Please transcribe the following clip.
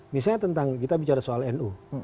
misalnya tentang kita bicara soal nu